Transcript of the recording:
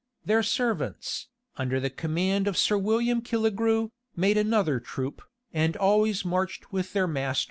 Their servants, under the command of Sir William Killigrew, made another troop, and always marched with their masters.